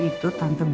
aku akan mencarimu